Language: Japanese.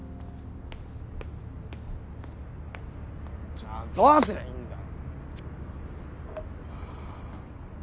じゃあどうすりゃいいんだよ？